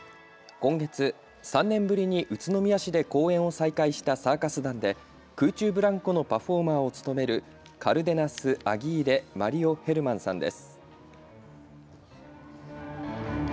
今月、３年ぶりに宇都宮市で公演を再開したサーカス団で空中ブランコのパフォーマーを務めるカルデナス・アギーレ・マリオ・ヘルマンさんです。